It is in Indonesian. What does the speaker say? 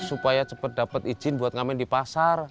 supaya cepat dapat izin buat ngamen di pasar